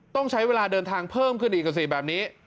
ต้องใช้เวลาเดินทางเพิ่มขึ้นอีกอ่ะสิแบบนี้